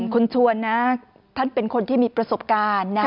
คุณชวนนะท่านเป็นคนที่มีประสบการณ์นะ